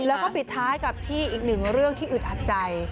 แล้วก็ปิดท้ายกับที่อีกหนึ่งเรื่องที่อึดอัดใจ